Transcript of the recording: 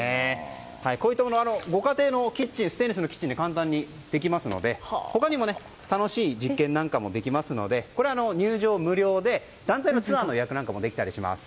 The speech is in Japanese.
ご家庭のステンレスのキッチンで簡単にできますので他にも楽しい実験もできますのでこれは入場無料で団体のツアーの予約もできます。